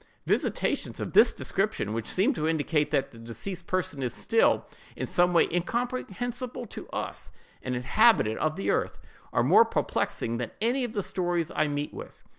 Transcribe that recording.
Visitations of this description—which seem to indicate that the deceased person is still, in some way incomprehensible to us, an inhabitant of the earth—are more perplexing than any of the stories I meet with.